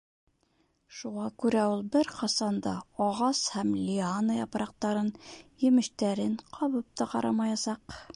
Шуға күрә ул бер ҡасан да ағас һәм лиана япраҡтарын, емештәрен ҡабып та ҡарамаясаҡ.